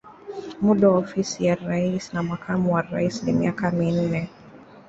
Muda wa ofisi ya rais na makamu wa rais ni miaka minne.